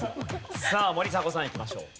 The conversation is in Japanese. さあ森迫さんいきましょう。